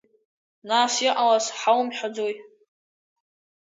Нас, иҟалаз ҳаумҳәаӡои?